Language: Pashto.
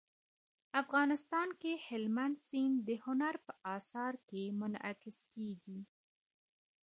افغانستان کې هلمند سیند د هنر په اثار کې منعکس کېږي.